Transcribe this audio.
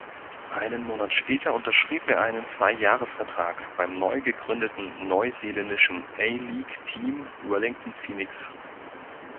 Einen Monat später unterschrieb er einen Zwei-Jahres-Vertrag beim neu gegründeten neuseeländischen A-League-Team Wellington Phoenix.